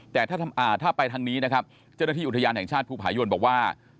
แต่ถ้าไปทางนี้นะครับเจ้าหน้าที่อุทยานแห่งชาติภูผายนบอกว่า